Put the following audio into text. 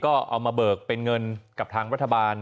ก็เอามาเบิกเป็นเงินกับทางรัฐบาล